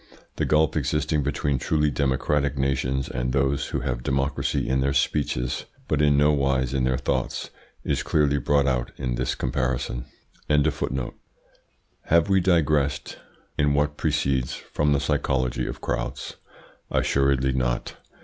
The gulf existing between truly democratic nations and those who have democracy in their speeches, but in no wise in their thoughts, is clearly brought out in this comparison. Have we digressed in what precedes from the psychology of crowds? Assuredly not.